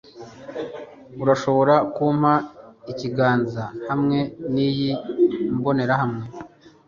urashobora kumpa ikiganza hamwe niyi mbonerahamwe